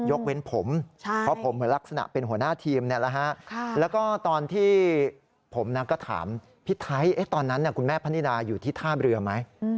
ยกเว้นผมเพราะผมเหมือนลักษณะเป็นหัวหน้าทีมแล้วก็ตอนที่ผมก็ถามพี่ไทยตอนนั้นคุณแม่พนิดาอยู่ที่ท่าเรือไหม